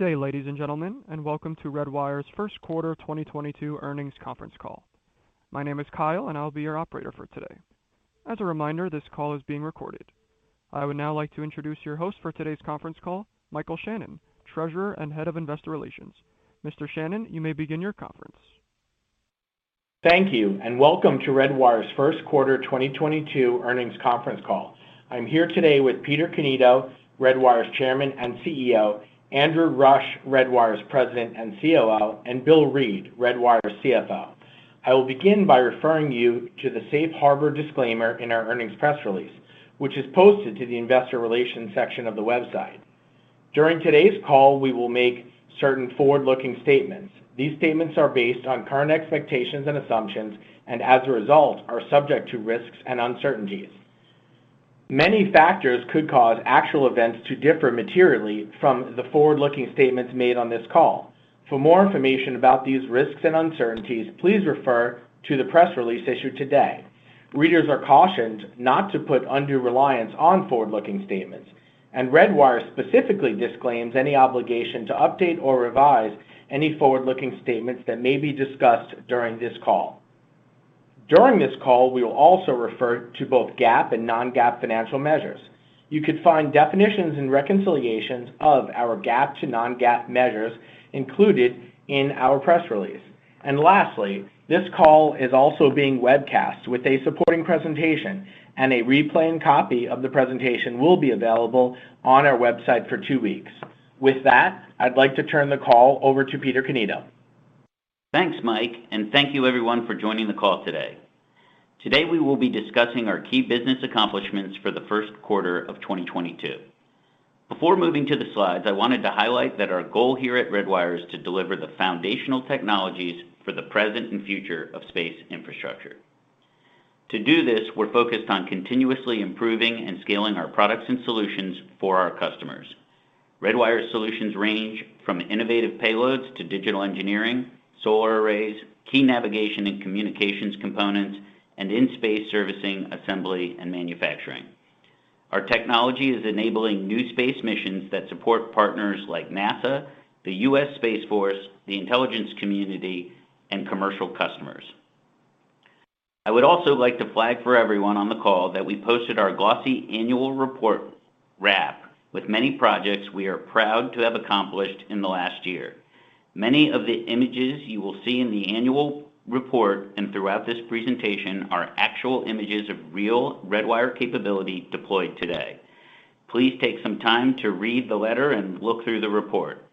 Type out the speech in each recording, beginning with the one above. Good day, ladies and gentlemen, and welcome to Redwire's First Quarter 2022 earnings conference call. My name is Kyle, and I'll be your operator for today. As a reminder, this call is being recorded. I would now like to introduce your host for today's conference call, Michael Shannon, Treasurer and Head of Investor Relations. Mr. Shannon, you may begin your conference. Thank you, and welcome to Redwire's first quarter 2022 earnings conference call. I'm here today with Peter Cannito, Redwire's Chairman and CEO; Andrew Rush, Redwire's President and COO; and Bill Read, Redwire's CFO. I will begin by referring you to the safe harbor disclaimer in our earnings press release, which is posted to the investor relations section of the website. During today's call, we will make certain forward-looking statements. These statements are based on current expectations and assumptions, and as a result, are subject to risks and uncertainties. Many factors could cause actual events to differ materially from the forward-looking statements made on this call. For more information about these risks and uncertainties, please refer to the press release issued today. Readers are cautioned not to put undue reliance on forward-looking statements, and Redwire specifically disclaims any obligation to update or revise any forward-looking statements that may be discussed during this call. During this call, we will also refer to both GAAP and non-GAAP financial measures. You can find definitions and reconciliations of our GAAP to non-GAAP measures included in our press release. Lastly, this call is also being webcast with a supporting presentation, and a replay and copy of the presentation will be available on our website for two weeks. With that, I'd like to turn the call over to Peter Cannito. Thanks, Mike, and thank you everyone for joining the call today. Today, we will be discussing our key business accomplishments for the first quarter of 2022. Before moving to the slides, I wanted to highlight that our goal here at Redwire is to deliver the foundational technologies for the present and future of space infrastructure. To do this, we're focused on continuously improving and scaling our products and solutions for our customers. Redwire solutions range from innovative payloads to digital engineering, solar arrays, key navigation and communications components, and in-space servicing, assembly, and manufacturing. Our technology is enabling new space missions that support partners like NASA, the US Space Force, the intelligence community, and commercial customers. I would also like to flag for everyone on the call that we posted our glossy annual report wrap with many projects we are proud to have accomplished in the last year. Many of the images you will see in the annual report and throughout this presentation are actual images of real Redwire capability deployed today. Please take some time to read the letter and look through the report.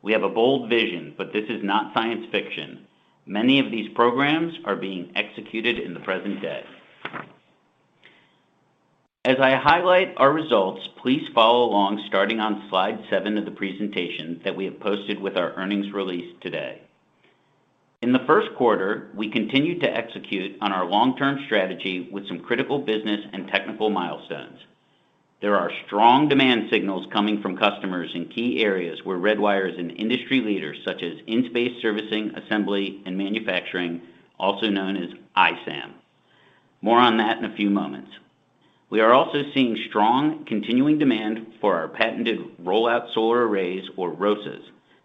We have a bold vision, but this is not science fiction. Many of these programs are being executed in the present day. As I highlight our results, please follow along starting on slide seven of the presentation that we have posted with our earnings release today. In the first quarter, we continued to execute on our long-term strategy with some critical business and technical milestones. There are strong demand signals coming from customers in key areas where Redwire is an industry leader, such as in-space servicing, assembly, and manufacturing, also known as ISAM. More on that in a few moments. We are also seeing strong continuing demand for our patented Roll Out Solar Arrays, or ROSAs,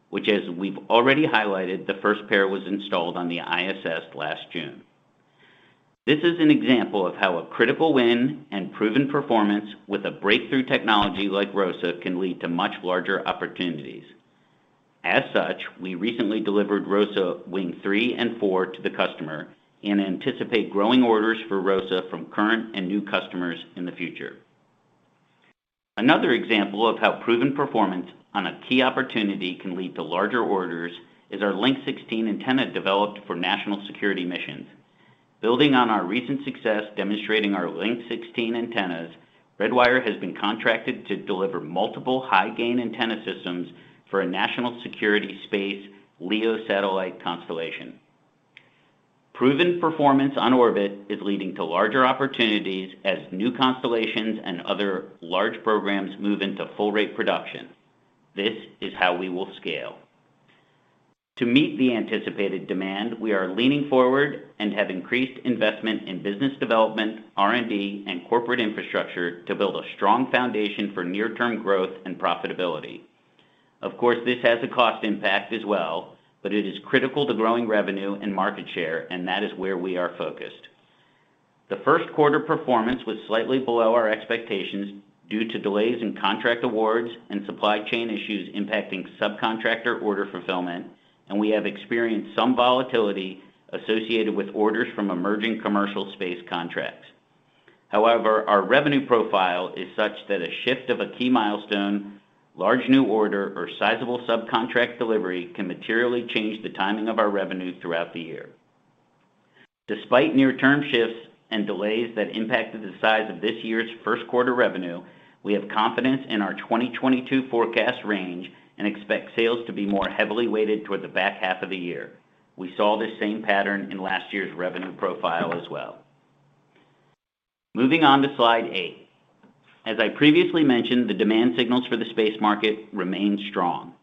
which as we've already highlighted, the first pair was installed on the ISS last June. This is an example of how a critical win and proven performance with a breakthrough technology like ROSA can lead to much larger opportunities. As such, we recently delivered ROSA wing three and four to the customer and anticipate growing orders for ROSA from current and new customers in the future. Another example of how proven performance on a key opportunity can lead to larger orders is our Link 16 antenna developed for national security missions. Building on our recent success demonstrating our Link-16 antennas, Redwire has been contracted to deliver multiple high-gain antenna systems for a national security space LEO satellite constellation. Proven performance on orbit is leading to larger opportunities as new constellations and other large programs move into full rate production. This is how we will scale. To meet the anticipated demand, we are leaning forward and have increased investment in business development, R&D, and corporate infrastructure to build a strong foundation for near-term growth and profitability. Of course, this has a cost impact as well, but it is critical to growing revenue and market share, and that is where we are focused. The first quarter performance was slightly below our expectations due to delays in contract awards and supply chain issues impacting subcontractor order fulfillment, and we have experienced some volatility associated with orders from emerging commercial space contracts. However, our revenue profile is such that a shift of a key milestone, large new order, or sizable subcontract delivery can materially change the timing of our revenue throughout the year. Despite near-term shifts and delays that impacted the size of this year's first quarter revenue, we have confidence in our 2022 forecast range and expect sales to be more heavily weighted toward the back half of the year. We saw this same pattern in last year's revenue profile as well. Moving on to slide eight. As I previously mentioned, the demand signals for the space market remain strong.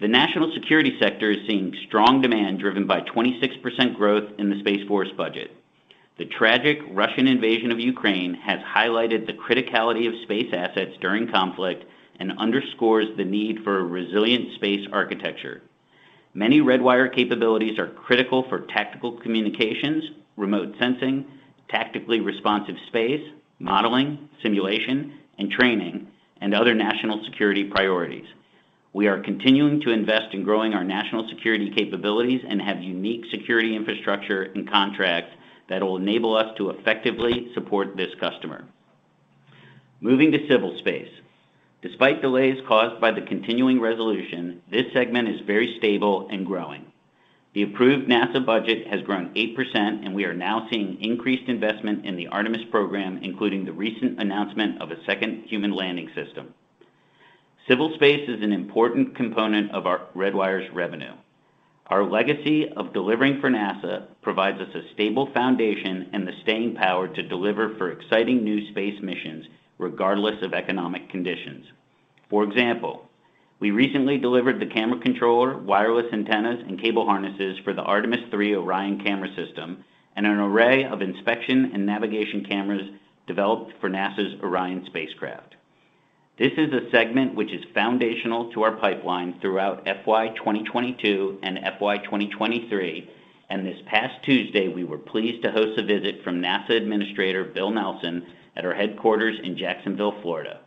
The national security sector is seeing strong demand driven by 26% growth in the Space Force budget. The tragic Russian invasion of Ukraine has highlighted the criticality of space assets during conflict and underscores the need for a resilient space architecture. Many Redwire capabilities are critical for tactical communications, remote sensing, tactically responsive space, modeling, simulation, and training, and other national security priorities. We are continuing to invest in growing our national security capabilities and have unique security infrastructure and contracts that will enable us to effectively support this customer. Moving to civil space. Despite delays caused by the continuing resolution, this segment is very stable and growing. The approved NASA budget has grown 8%, and we are now seeing increased investment in the Artemis program, including the recent announcement of a second human landing system. Civil space is an important component of Redwire's revenue. Our legacy of delivering for NASA provides us a stable foundation and the staying power to deliver for exciting new space missions regardless of economic conditions. For example, we recently delivered the camera controller, wireless antennas, and cable harnesses for the Artemis III Orion camera system and an array of inspection and navigation cameras developed for NASA's Orion spacecraft. This is a segment which is foundational to our pipeline throughout FY 2022 and FY 2023, and this past Tuesday, we were pleased to host a visit from NASA Administrator Bill Nelson at our headquarters in Jacksonville, Florida.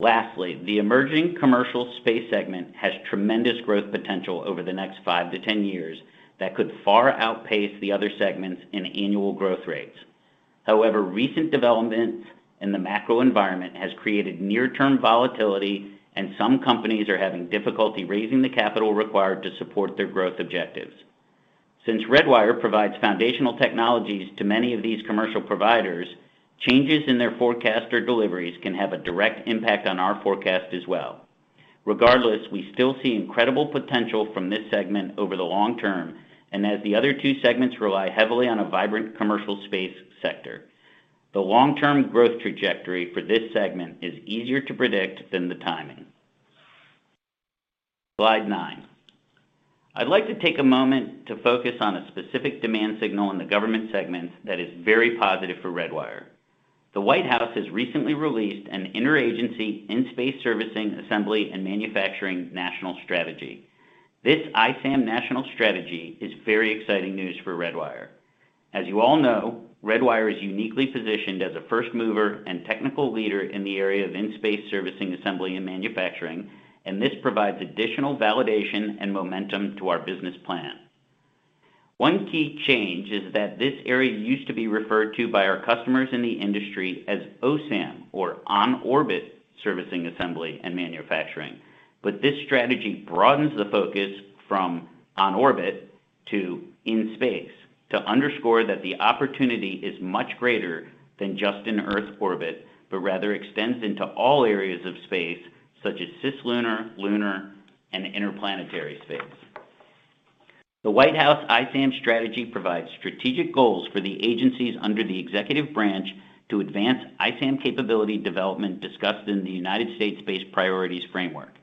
Lastly, the emerging commercial space segment has tremendous growth potential over the next five-10 years that could far outpace the other segments in annual growth rates. However, recent developments in the macro environment has created near-term volatility, and some companies are having difficulty raising the capital required to support their growth objectives. Since Redwire provides foundational technologies to many of these commercial providers, changes in their forecast or deliveries can have a direct impact on our forecast as well. Regardless, we still see incredible potential from this segment over the long term, and as the other two segments rely heavily on a vibrant commercial space sector, the long-term growth trajectory for this segment is easier to predict than the timing. Slide nine. I'd like to take a moment to focus on a specific demand signal in the government segment that is very positive for Redwire. The White House has recently released an interagency In-Space Servicing, Assembly, and Manufacturing national strategy. This ISAM national strategy is very exciting news for Redwire. As you all know, Redwire is uniquely positioned as a first mover and technical leader in the area of in-space servicing, assembly, and manufacturing, and this provides additional validation and momentum to our business plan. One key change is that this area used to be referred to by our customers in the industry as OSAM, or On-Orbit Servicing, Assembly, and Manufacturing, but this strategy broadens the focus from on orbit to in space to underscore that the opportunity is much greater than just in Earth's orbit, but rather extends into all areas of space, such as cislunar, lunar, and interplanetary space. The White House ISAM strategy provides strategic goals for the agencies under the executive branch to advance ISAM capability development discussed in the United States Space Priorities framework.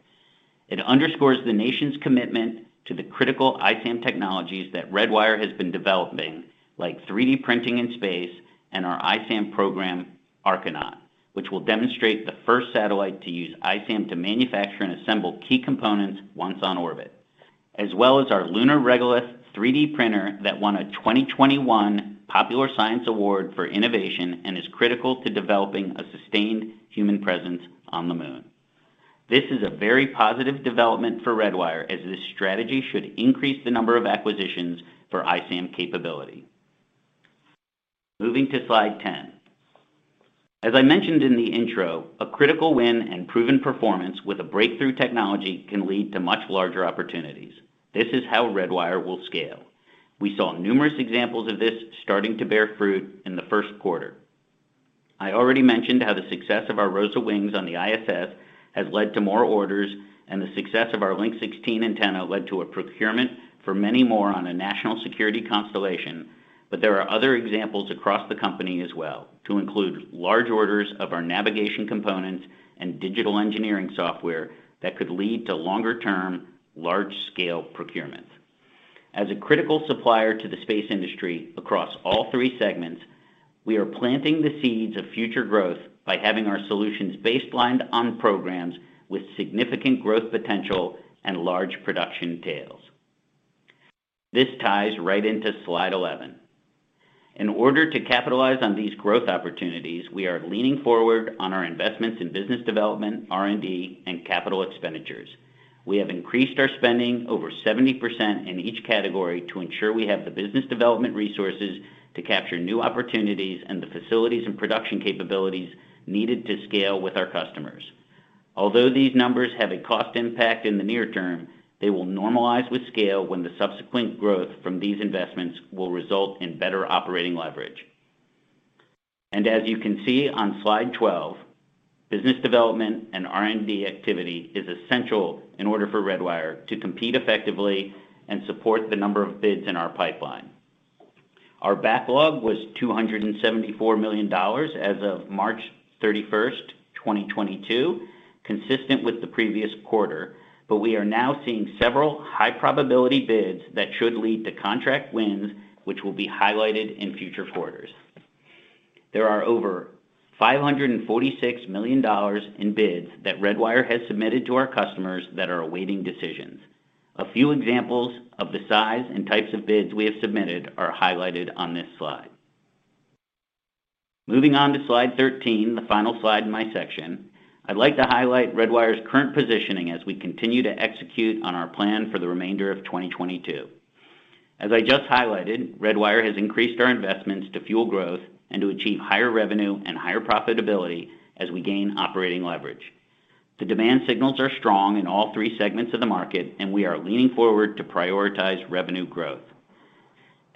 It underscores the nation's commitment to the critical ISAM technologies that Redwire has been developing, like 3D printing in space and our ISAM program, Archinaut, which will demonstrate the first satellite to use ISAM to manufacture and assemble key components once on orbit, as well as our lunar regolith 3D printer that won a 2021 Popular Science Award for innovation and is critical to developing a sustained human presence on the moon. This is a very positive development for Redwire, as this strategy should increase the number of acquisitions for ISAM capability. Moving to slide 10. As I mentioned in the intro, a critical win and proven performance with a breakthrough technology can lead to much larger opportunities. This is how Redwire will scale. We saw numerous examples of this starting to bear fruit in the first quarter. I already mentioned how the success of our ROSA wings on the ISS has led to more orders and the success of our Link-16 antenna led to a procurement for many more on a national security constellation. There are other examples across the company as well, to include large orders of our navigation components and digital engineering software that could lead to longer-term, large-scale procurements. As a critical supplier to the space industry across all three segments, we are planting the seeds of future growth by having our solutions baselined on programs with significant growth potential and large production tails. This ties right into slide 11. In order to capitalize on these growth opportunities, we are leaning forward on our investments in business development, R&D, and capital expenditures. We have increased our spending over 70% in each category to ensure we have the business development resources to capture new opportunities and the facilities and production capabilities needed to scale with our customers. Although these numbers have a cost impact in the near term, they will normalize with scale when the subsequent growth from these investments will result in better operating leverage. As you can see on slide 12, business development and R&D activity is essential in order for Redwire to compete effectively and support the number of bids in our pipeline. Our backlog was $274 million as of March 31st, 2022. Consistent with the previous quarter, but we are now seeing several high probability bids that should lead to contract wins, which will be highlighted in future quarters. There are over $546 million in bids that Redwire has submitted to our customers that are awaiting decisions. A few examples of the size and types of bids we have submitted are highlighted on this slide. Moving on to slide 13, the final slide in my section, I'd like to highlight Redwire's current positioning as we continue to execute on our plan for the remainder of 2022. As I just highlighted, Redwire has increased our investments to fuel growth and to achieve higher revenue and higher profitability as we gain operating leverage. The demand signals are strong in all three segments of the market, and we are leaning forward to prioritize revenue growth.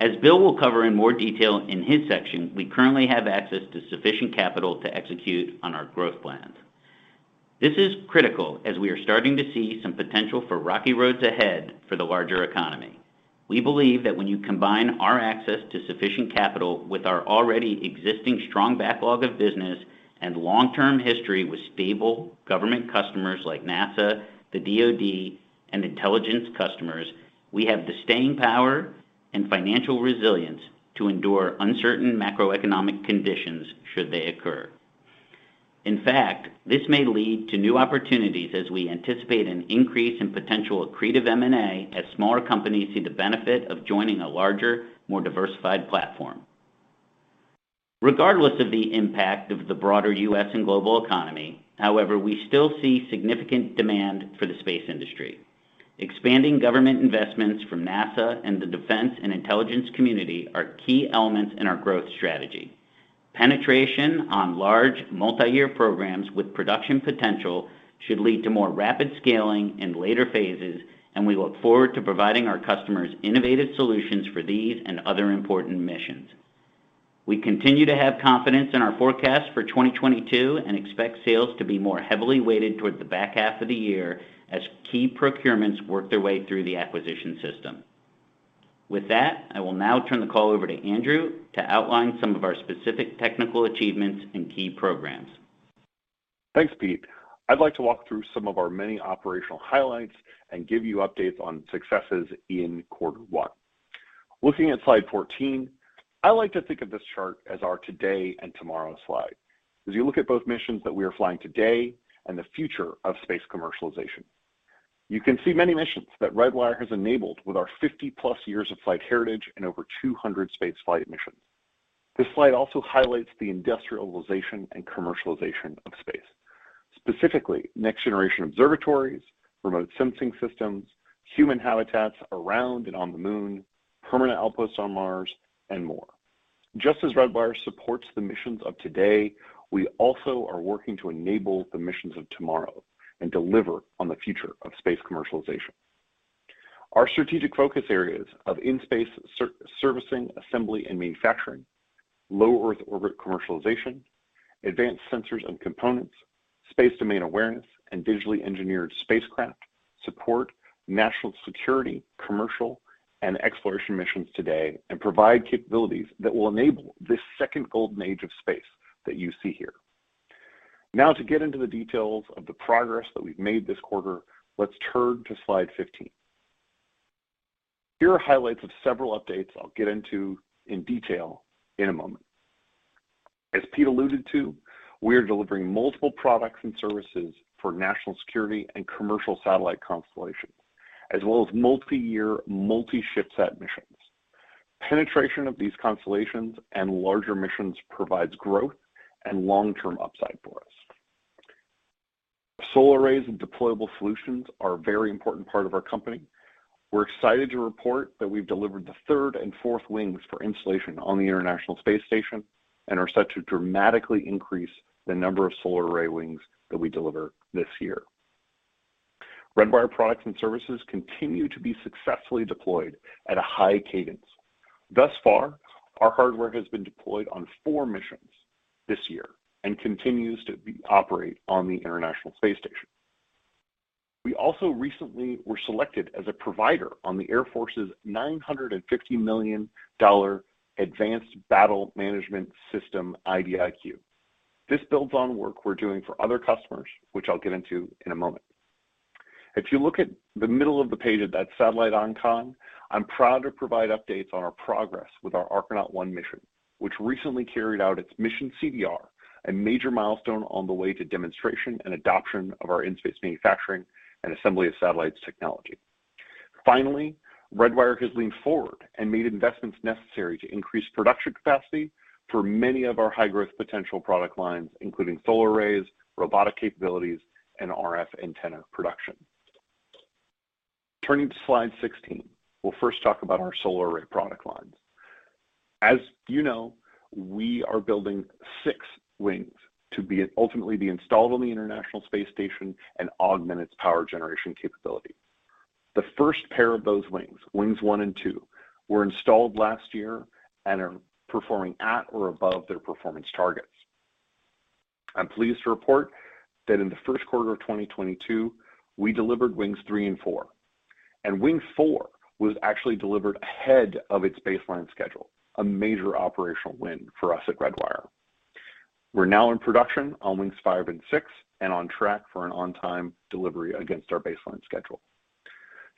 As Bill will cover in more detail in his section, we currently have access to sufficient capital to execute on our growth plans. This is critical as we are starting to see some potential for rocky roads ahead for the larger economy. We believe that when you combine our access to sufficient capital with our already existing strong backlog of business and long-term history with stable government customers like NASA, the DoD, and intelligence customers, we have the staying power and financial resilience to endure uncertain macroeconomic conditions should they occur. In fact, this may lead to new opportunities as we anticipate an increase in potential accretive M&A as smaller companies see the benefit of joining a larger, more diversified platform. Regardless of the impact of the broader U.S. and global economy, however, we still see significant demand for the space industry. Expanding government investments from NASA and the defense and intelligence community are key elements in our growth strategy. Penetration on large multi-year programs with production potential should lead to more rapid scaling in later phases, and we look forward to providing our customers innovative solutions for these and other important missions. We continue to have confidence in our forecast for 2022 and expect sales to be more heavily weighted toward the back half of the year as key procurements work their way through the acquisition system. With that, I will now turn the call over to Andrew to outline some of our specific technical achievements and key programs. Thanks, Peter. I'd like to walk through some of our many operational highlights and give you updates on successes in quarter one. Looking at slide 14, I like to think of this chart as our today and tomorrow slide. As you look at both missions that we are flying today and the future of space commercialization, you can see many missions that Redwire has enabled with our 50+ years of flight heritage and over 200 space flight missions. This slide also highlights the industrialization and commercialization of space, specifically next generation observatories, remote sensing systems, human habitats around and on the moon, permanent outposts on Mars, and more. Just as Redwire supports the missions of today, we also are working to enable the missions of tomorrow and deliver on the future of space commercialization. Our strategic focus areas of in-space servicing, assembly, and manufacturing, low Earth orbit commercialization, advanced sensors and components, space domain awareness, and digitally engineered spacecraft support national security, commercial, and exploration missions today and provide capabilities that will enable this second golden age of space that you see here. Now to get into the details of the progress that we've made this quarter, let's turn to slide 15. Here are highlights of several updates I'll get into in detail in a moment. As Peter alluded to, we are delivering multiple products and services for national security and commercial satellite constellations, as well as multi-year, multi-shipset missions. Penetration of these constellations and larger missions provides growth and long-term upside for us. Solar arrays and deployable solutions are a very important part of our company. We're excited to report that we've delivered the third and fourth wings for installation on the International Space Station and are set to dramatically increase the number of solar array wings that we deliver this year. Redwire products and services continue to be successfully deployed at a high cadence. Thus far, our hardware has been deployed on four missions this year and continues to operate on the International Space Station. We also recently were selected as a provider on the U.S. Air Force's $950 million Advanced Battle Management System IDIQ. This builds on work we're doing for other customers, which I'll get into in a moment. If you look at the middle of the page at that satellite icon, I'm proud to provide updates on our progress with our Archinaut One mission, which recently carried out its mission CDR, a major milestone on the way to demonstration and adoption of our in-space manufacturing and assembly of satellites technology. Redwire has leaned forward and made investments necessary to increase production capacity for many of our high growth potential product lines, including solar arrays, robotic capabilities, and RF antenna production. Turning to slide 16, we'll first talk about our solar array product lines. As you know, we are building six wings to be ultimately installed on the International Space Station and augment its power generation capability. The first pair of those wings one and two, were installed last year and are performing at or above their performance targets. I'm pleased to report that in the first quarter of 2022, we delivered wings three and four. Wing four was actually delivered ahead of its baseline schedule, a major operational win for us at Redwire. We're now in production on wings five and six and on track for an on-time delivery against our baseline schedule.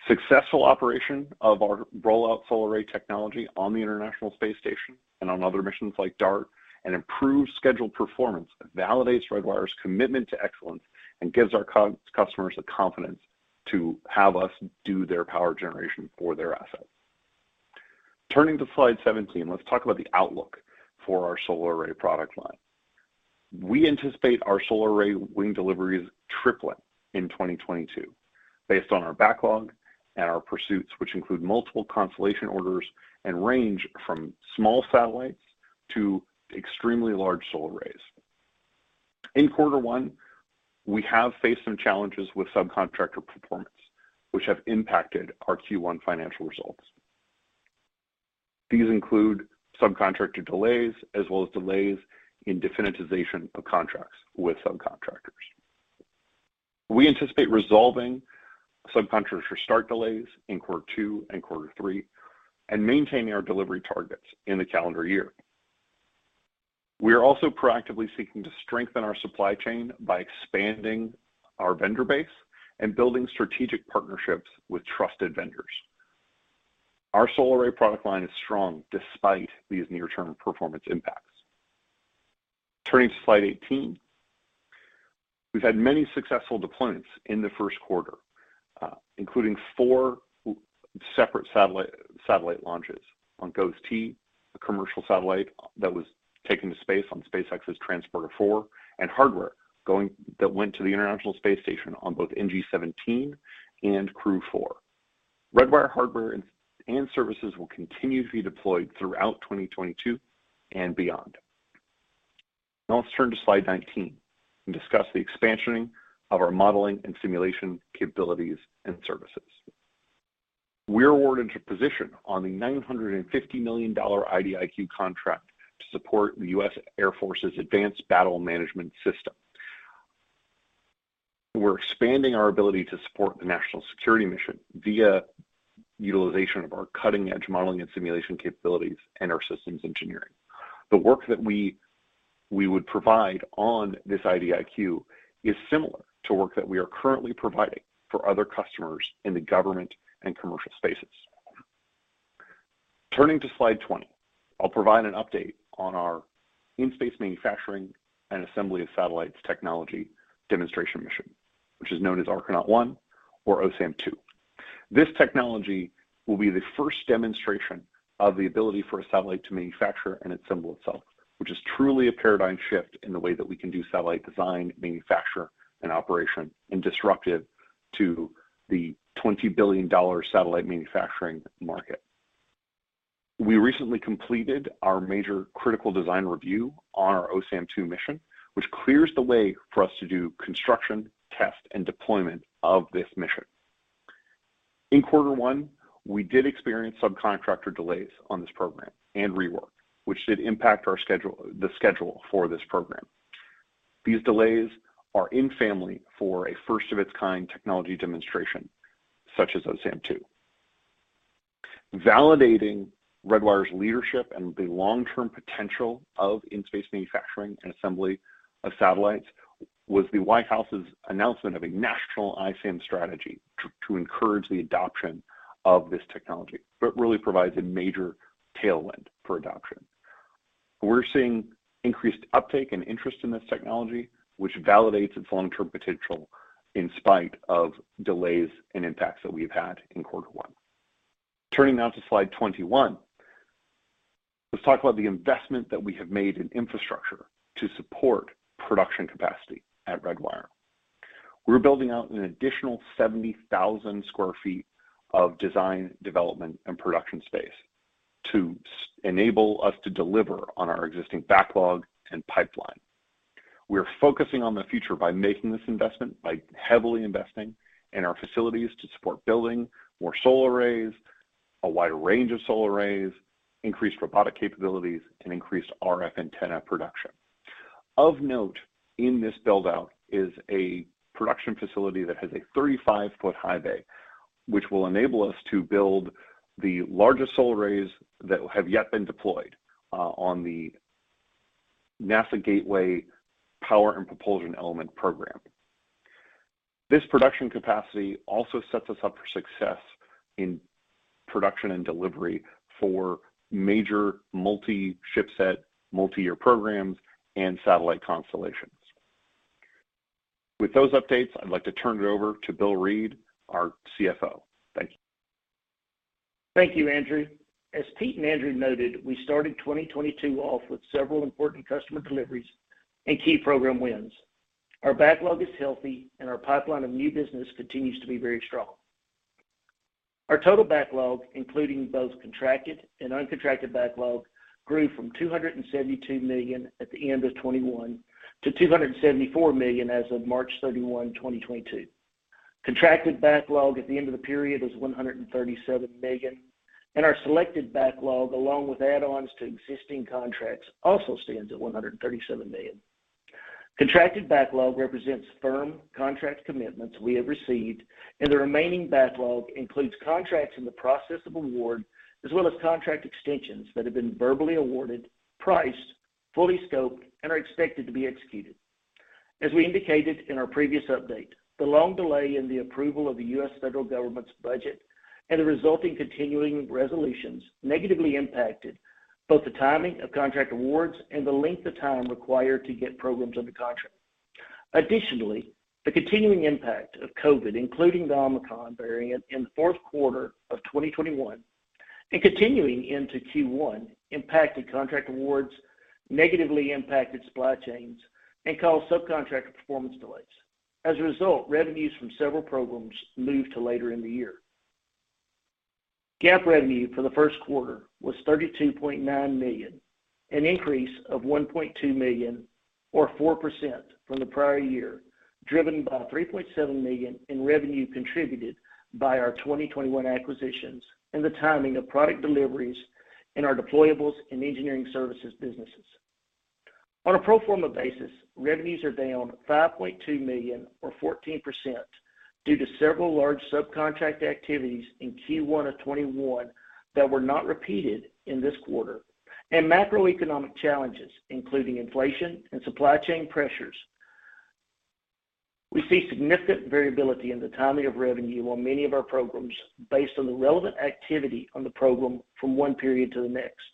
Successful operation of our Roll Out Solar Array technology on the International Space Station and on other missions like DART, an improved scheduled performance that validates Redwire's commitment to excellence and gives our customers the confidence to have us do their power generation for their assets. Turning to slide 17, let's talk about the outlook for our solar array product line. We anticipate our solar array wing deliveries tripling in 2022 based on our backlog and our pursuits, which include multiple constellation orders and range from small satellites to extremely large solar arrays. In quarter one, we have faced some challenges with subcontractor performance which have impacted our Q1 financial results. These include subcontractor delays as well as delays in definitization of contracts with subcontractors. We anticipate resolving subcontractor start delays in quarter two and quarter three and maintaining our delivery targets in the calendar year. We are also proactively seeking to strengthen our supply chain by expanding our vendor base and building strategic partnerships with trusted vendors. Our solar array product line is strong despite these near-term performance impacts. Turning to slide 18, we've had many successful deployments in the first quarter, including four separate satellite launches on GOES-T, a commercial satellite that was taken to space on SpaceX's Transporter-4, and hardware that went to the International Space Station on both NG-17 and Crew-4. Redwire hardware and services will continue to be deployed throughout 2022 and beyond. Now let's turn to slide 19 and discuss the expansion of our modeling and simulation capabilities and services. We're awarded a position on the $950 million IDIQ contract to support the U.S. Air Force's Advanced Battle Management System. We're expanding our ability to support the national security mission via utilization of our cutting-edge modeling and simulation capabilities and our systems engineering. The work that we would provide on this IDIQ is similar to work that we are currently providing for other customers in the government and commercial spaces. Turning to slide 20, I'll provide an update on our in-space manufacturing and assembly of satellites technology demonstration mission, which is known as Archinaut One or OSAM-2. This technology will be the first demonstration of the ability for a satellite to manufacture and assemble itself, which is truly a paradigm shift in the way that we can do satellite design, manufacture, and operation, and disruptive to the $20 billion satellite manufacturing market. We recently completed our major critical design review on our OSAM-2 mission, which clears the way for us to do construction, test, and deployment of this mission. In quarter one, we did experience subcontractor delays on this program and rework, which did impact our schedule for this program. These delays are in family for a first of its kind technology demonstration such as OSAM-2. Validating Redwire's leadership and the long-term potential of in-space manufacturing and assembly of satellites was the White House's announcement of a national ISAM strategy to encourage the adoption of this technology. It really provides a major tailwind for adoption. We're seeing increased uptake and interest in this technology, which validates its long-term potential in spite of delays and impacts that we've had in quarter one. Turning now to slide 21, let's talk about the investment that we have made in infrastructure to support production capacity at Redwire. We're building out an additional 70,000 sq ft of design, development, and production space to enable us to deliver on our existing backlog and pipeline. We're focusing on the future by making this investment, by heavily investing in our facilities to support building more solar arrays, a wider range of solar arrays, increased robotic capabilities, and increased RF antenna production. Of note in this build-out is a production facility that has a 35-foot high bay, which will enable us to build the largest solar arrays that have yet been deployed on the NASA Gateway Power and Propulsion Element program. This production capacity also sets us up for success in production and delivery for major multi ship set, multi-year programs and satellite constellations. With those updates, I'd like to turn it over to Bill Read, our CFO. Thank you. Thank you, Andrew. As Peter and Andrew noted, we started 2022 off with several important customer deliveries and key program wins. Our backlog is healthy, and our pipeline of new business continues to be very strong. Our total backlog, including both contracted and uncontracted backlog, grew from $272 million at the end of 2021 to $274 million as of March 31, 2022. Contracted backlog at the end of the period was $137 million, and our uncontracted backlog, along with add-ons to existing contracts, also stands at $137 million. Contracted backlog represents firm contract commitments we have received, and the remaining backlog includes contracts in the process of award, as well as contract extensions that have been verbally awarded, priced, fully scoped, and are expected to be executed. As we indicated in our previous update, the long delay in the approval of the U.S. federal government's budget and the resulting continuing resolutions negatively impacted both the timing of contract awards and the length of time required to get programs under contract. Additionally, the continuing impact of COVID, including the Omicron variant in the fourth quarter of 2021 and continuing into Q1, impacted contract awards, negatively impacted supply chains, and caused subcontractor performance delays. As a result, revenues from several programs moved to later in the year. GAAP revenue for the first quarter was $32.9 million, an increase of $1.2 million or 4% from the prior year, driven by $3.7 million in revenue contributed by our 2021 acquisitions and the timing of product deliveries in our deployables and engineering services businesses. On a pro format basis, revenues are down $5.2 million or 14% due to several large subcontract activities in Q1 of 2021 that were not repeated in this quarter and macroeconomic challenges, including inflation and supply chain pressures. We see significant variability in the timing of revenue on many of our programs based on the relevant activity on the program from one period to the next.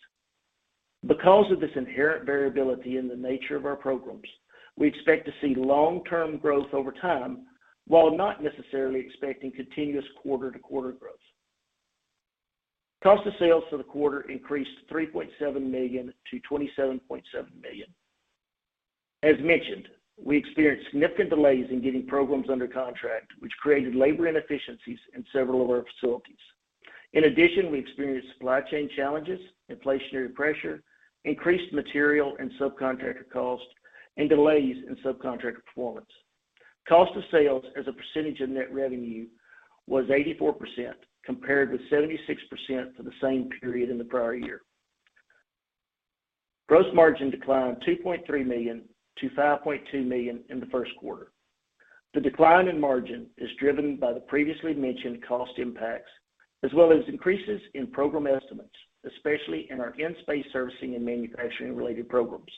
Because of this inherent variability in the nature of our programs, we expect to see long-term growth over time while not necessarily expecting continuous quarter-to-quarter growth. Cost of sales for the quarter increased $3.7 million to $27.7 million. As mentioned, we experienced significant delays in getting programs under contract, which created labor inefficiencies in several of our facilities. In addition, we experienced supply chain challenges, inflationary pressure, increased material and subcontractor costs, and delays in subcontractor performance. Cost of sales as a percentage of net revenue was 84%, compared with 76% for the same period in the prior year. Gross margin declined $2.3 million to $5.2 million in the first quarter. The decline in margin is driven by the previously mentioned cost impacts as well as increases in program estimates, especially in our in-space servicing and manufacturing related programs.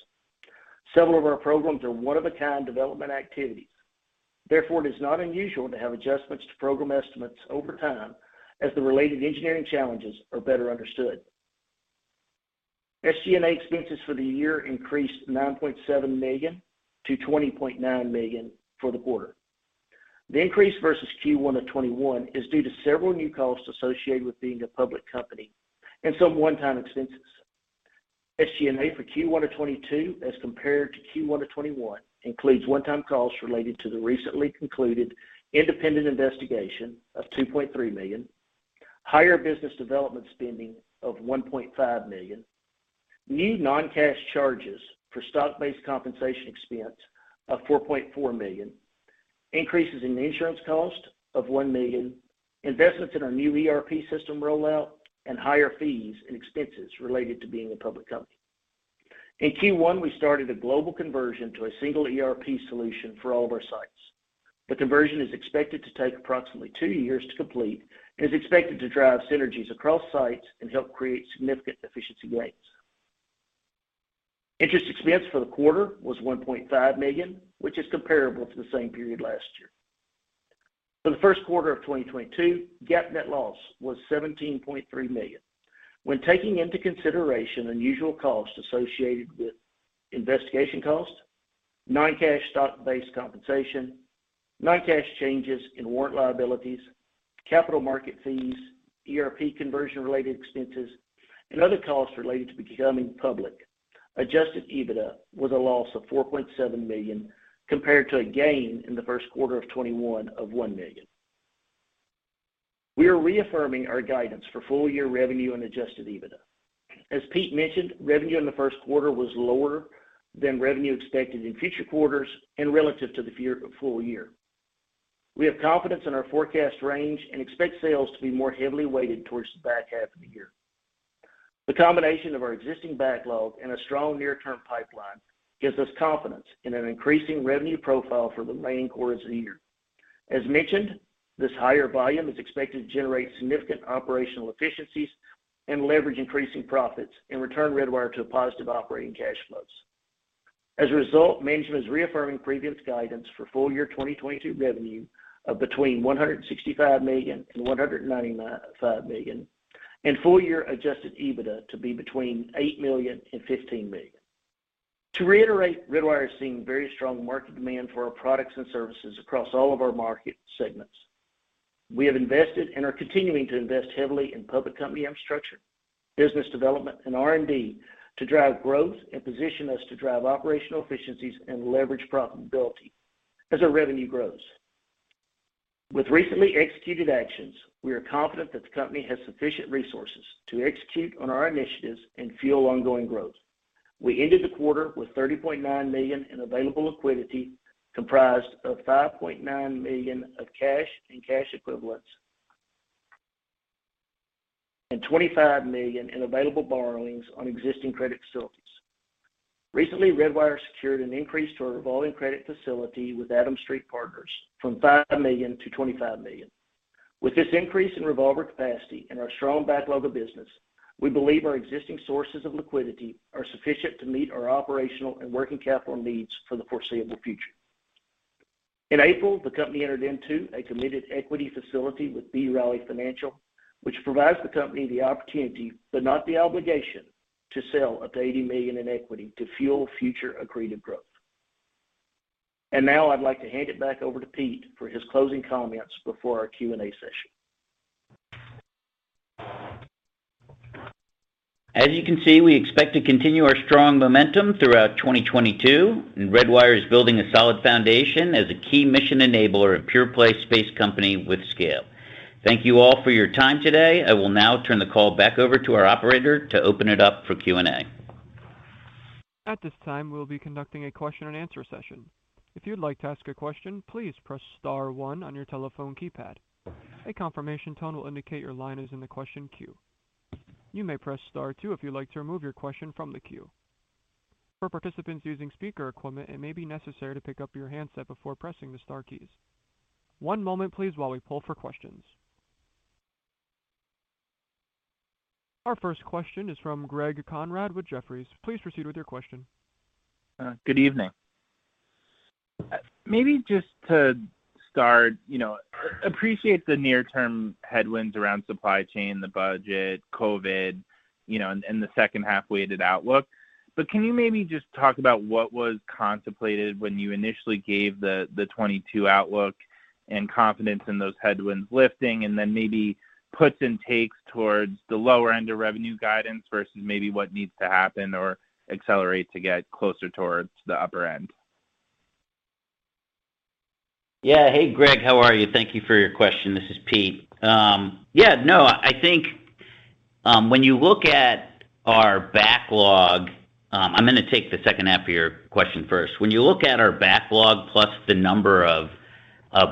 Several of our programs are one-of-a-kind development activities. Therefore, it is not unusual to have adjustments to program estimates over time as the related engineering challenges are better understood. SG&A expenses for the year increased $9.7 million to $20.9 million for the quarter. The increase versus Q1 of 2021 is due to several new costs associated with being a public company and some one-time expenses. SG&A for Q1 of 2022 as compared to Q1 of 2021 includes one-time costs related to the recently concluded independent investigation of $2.3 million, higher business development spending of $1.5 million, new non-cash charges for stock-based compensation expense of $4.4 million, increases in insurance cost of $1 million, investments in our new ERP system rollout, and higher fees and expenses related to being a public company. In Q1, we started a global conversion to a single ERP solution for all of our sites. The conversion is expected to take approximately two years to complete and is expected to drive synergies across sites and help create significant efficiency gains. Interest expense for the quarter was $1.5 million, which is comparable to the same period last year. For the first quarter of 2022, GAAP net loss was $17.3 million. When taking into consideration unusual costs associated with investigation costs, non-cash stock-based compensation, non-cash changes in warrant liabilities, capital market fees, ERP conversion related expenses, and other costs related to becoming public, adjusted EBITDA was a loss of $4.7 million, compared to a gain in the first quarter of 2021 of $1 million. We are reaffirming our guidance for full year revenue and adjusted EBITDA. As Peter mentioned, revenue in the first quarter was lower than revenue expected in future quarters and relative to the full year. We have confidence in our forecast range and expect sales to be more heavily weighted towards the back half of the year. The combination of our existing backlog and a strong near-term pipeline gives us confidence in an increasing revenue profile for the remaining quarters of the year. As mentioned, this higher volume is expected to generate significant operational efficiencies and leverage increasing profits and return Redwire to positive operating cash flows. As a result, management is reaffirming previous guidance for full year 2022 revenue of between $165 million and $195 million and full year adjusted EBITDA to be between $8 million and $15 million. To reiterate, Redwire is seeing very strong market demand for our products and services across all of our market segments. We have invested and are continuing to invest heavily in public company infrastructure, business development, and R&D to drive growth and position us to drive operational efficiencies and leverage profitability as our revenue grows. With recently executed actions, we are confident that the company has sufficient resources to execute on our initiatives and fuel ongoing growth. We ended the quarter with $30.9 million in available liquidity, comprised of $5.9 million of cash and cash equivalents and $25 million in available borrowings on existing credit facilities. Recently, Redwire secured an increase to our revolving credit facility with Adams Street Partners from $5 million to $25 million. With this increase in revolver capacity and our strong backlog of business, we believe our existing sources of liquidity are sufficient to meet our operational and working capital needs for the foreseeable future. In April, the company entered into a committed equity facility with B. Riley Financial, which provides the company the opportunity, but not the obligation, to sell up to $80 million in equity to fuel future accretive growth. Now I'd like to hand it back over to Peter for his closing comments before our Q&A session. As you can see, we expect to continue our strong momentum throughout 2022, and Redwire is building a solid foundation as a key mission enabler of pure-play space company with scale. Thank you all for your time today. I will now turn the call back over to our operator to open it up for Q&A. At this time, we'll be conducting a question and answer session. If you'd like to ask a question, please press star one on your telephone keypad. A confirmation tone will indicate your line is in the question queue. You may press star two if you'd like to remove your question from the queue. For participants using speaker equipment, it may be necessary to pick up your handset before pressing the star keys. One moment please while we poll for questions. Our first question is from Greg Konrad with Jefferies. Please proceed with your question. Good evening. Maybe just to start, you know, appreciate the near-term headwinds around supply chain, the budget, COVID, you know, and the second half-weighted outlook. Can you maybe just talk about what was contemplated when you initially gave the 2022 outlook and confidence in those headwinds lifting, and then maybe puts and takes towards the lower end of revenue guidance versus maybe what needs to happen or accelerate to get closer towards the upper end? Yeah. Hey, Greg, how are you? Thank you for your question. This is Peter. Yeah, no, I think, when you look at our backlog, I'm gonna take the second half of your question first. When you look at our backlog plus the number of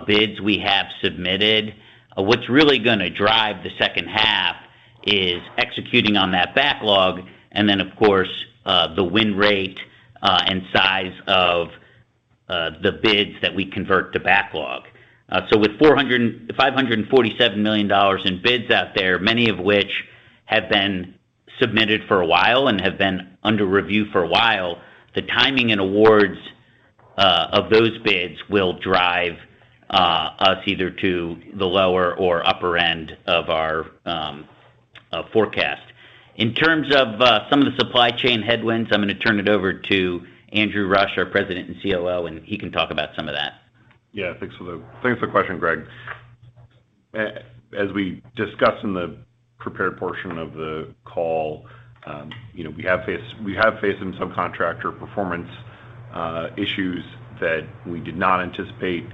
bids we have submitted, what's really gonna drive the second half is executing on that backlog and then, of course, the win rate and size of the bids that we convert to backlog. With $547 million in bids out there, many of which have been submitted for a while and have been under review for a while, the timing and awards of those bids will drive us either to the lower or upper end of our forecast. In terms of some of the supply chain headwinds, I'm gonna turn it over to Andrew Rush, our President and COO, and he can talk about some of that. Yeah. Thanks for the question, Greg. As we discussed in the prepared portion of the call, you know, we have faced some subcontractor performance issues that we did not anticipate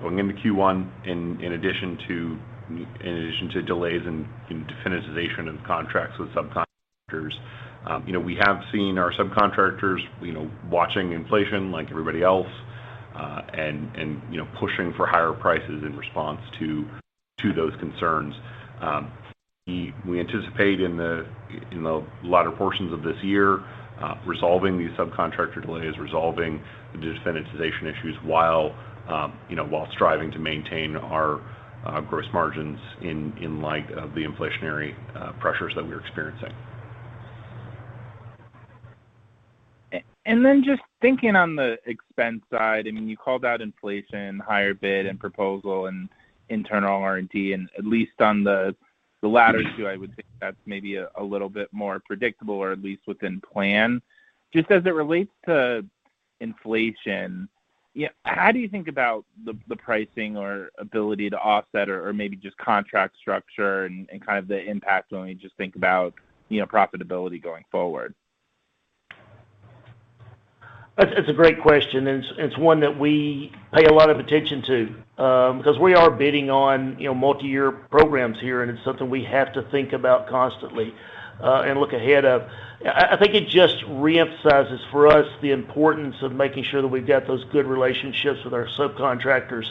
going into Q1 in addition to delays in definitization of contracts with subcontractors. You know, we have seen our subcontractors, you know, watching inflation like everybody else, and you know, pushing for higher prices in response to those concerns. We anticipate in the latter portions of this year resolving these subcontractor delays, resolving the definitization issues while you know, while striving to maintain our gross margins in light of the inflationary pressures that we're experiencing. Just thinking on the expense side, I mean, you called out inflation, higher bid and proposal, and internal R&D, and at least on the latter two, I would say that's maybe a little bit more predictable or at least within plan. Just as it relates to inflation, you know, how do you think about the pricing or ability to offset or maybe just contract structure and kind of the impact when we just think about, you know, profitability going forward? That's, it's a great question, and it's one that we pay a lot of attention to, because we are bidding on, you know, multi-year programs here, and it's something we have to think about constantly, and look ahead of. I think it just reemphasizes for us the importance of making sure that we've got those good relationships with our subcontractors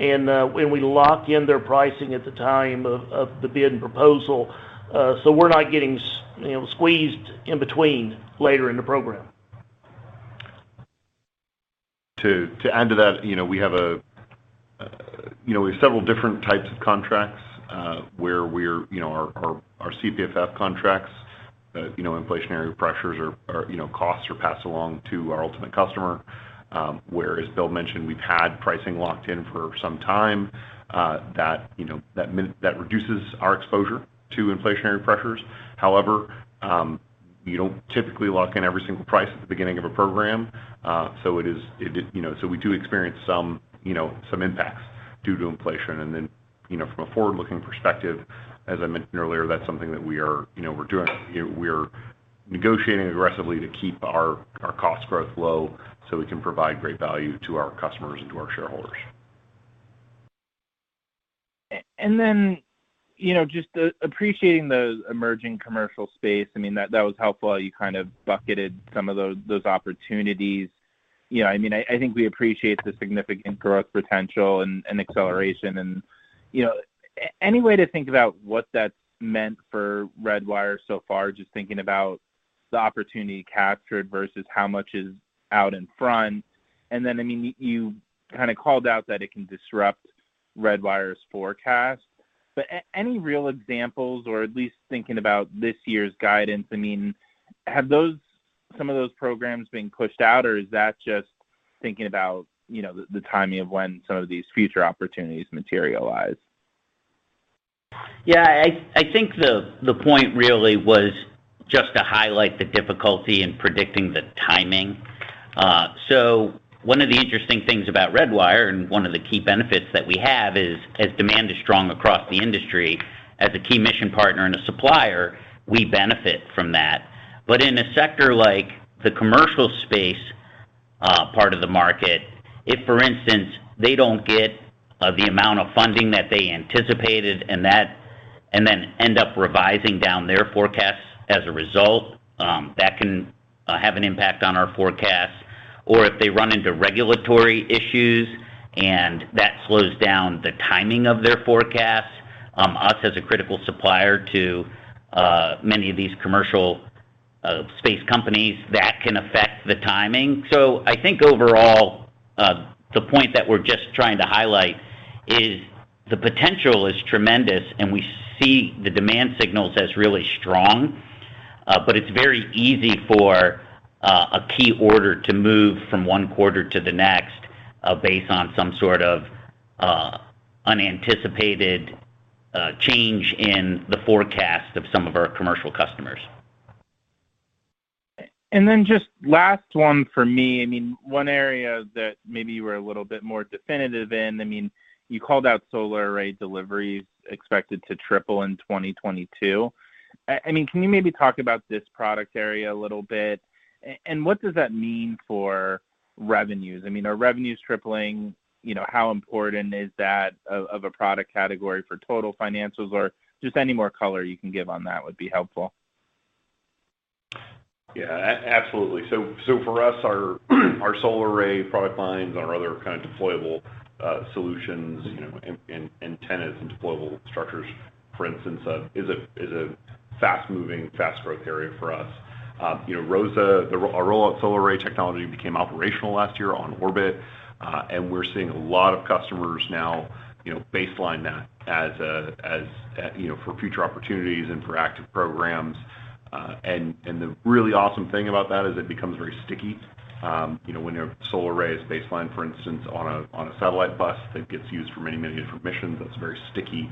and we lock in their pricing at the time of the bid and proposal, so we're not getting you know, squeezed in between later in the program. To add to that, you know, we have several different types of contracts where we're, you know, our CPFF contracts, you know, inflationary pressures or costs are passed along to our ultimate customer, where, as Bill mentioned, we've had pricing locked in for some time, that reduces our exposure to inflationary pressures. However, you don't typically lock in every single price at the beginning of a program. It is, you know, so we do experience some impacts due to inflation. From a forward-looking perspective, as I mentioned earlier, that's something that we are, you know, we're doing. We're negotiating aggressively to keep our cost growth low so we can provide great value to our customers and to our shareholders. Then, you know, just appreciating the emerging commercial space, I mean, that was helpful. You kind of bucketed some of those opportunities. Yeah, I mean, I think we appreciate the significant growth potential and acceleration and, you know, any way to think about what that's meant for Redwire so far, just thinking about the opportunity captured versus how much is out in front? I mean, you kind of called out that it can disrupt Redwire's forecast. But any real examples, or at least thinking about this year's guidance, I mean, have some of those programs been pushed out, or is that just thinking about, you know, the timing of when some of these future opportunities materialize? Yeah. I think the point really was just to highlight the difficulty in predicting the timing. One of the interesting things about Redwire and one of the key benefits that we have is as demand is strong across the industry, as a key mission partner and a supplier, we benefit from that. In a sector like the commercial space part of the market, if, for instance, they don't get the amount of funding that they anticipated, and then end up revising down their forecasts as a result, that can have an impact on our forecast. If they run into regulatory issues and that slows down the timing of their forecast, us as a critical supplier to many of these commercial space companies, that can affect the timing. I think overall, the point that we're just trying to highlight is the potential is tremendous, and we see the demand signals as really strong, but it's very easy for a key order to move from one quarter to the next, based on some sort of unanticipated change in the forecast of some of our commercial customers. Just last one for me. I mean, one area that maybe you were a little bit more definitive in. I mean, you called out solar array deliveries expected to triple in 2022. I mean, can you maybe talk about this product area a little bit, and what does that mean for revenues? I mean, are revenues tripling? You know, how important is that of a product category for total financials? Or just any more color you can give on that would be helpful. Absolutely. For us, our solar array product lines and our other kind of deployable solutions, you know, antennas and deployable structures, for instance, is a fast-moving, fast-growth area for us. You know, ROSA, our rollout solar array technology became operational last year on orbit. And we're seeing a lot of customers now, you know, baseline that as a, you know, for future opportunities and for active programs. And the really awesome thing about that is it becomes very sticky. You know, when your solar array is baseline, for instance, on a satellite bus that gets used for many different missions, that's a very sticky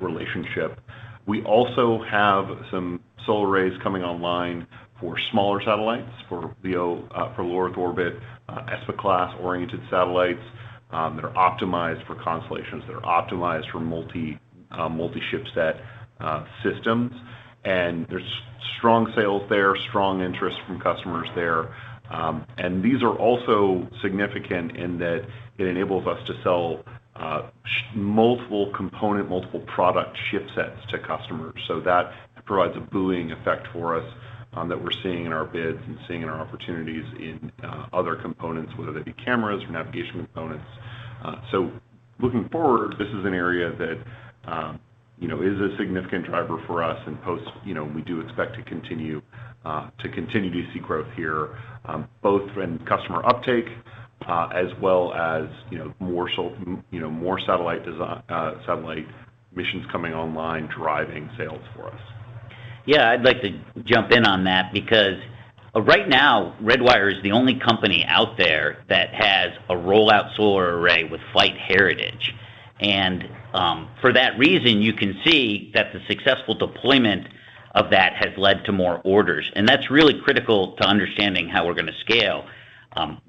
relationship. We also have some solar arrays coming online for smaller satellites for LEO, for low-Earth orbit, ESPA-class oriented satellites, that are optimized for constellations, that are optimized for multi-ship set systems. There's strong sales there, strong interest from customers there. These are also significant in that it enables us to sell multiple component, multiple product ship sets to customers. That provides a buoying effect for us, that we're seeing in our bids and seeing in our opportunities in other components, whether they be cameras or navigation components. Looking forward, this is an area that, you know, is a significant driver for us and post, you know, we do expect to continue to see growth here, both in customer uptake, as well as, you know, more satellite missions coming online, driving sales for us. Yeah. I'd like to jump in on that because, right now, Redwire is the only company out there that has a Roll Out Solar Array with flight heritage. For that reason, you can see that the successful deployment of that has led to more orders. That's really critical to understanding how we're gonna scale.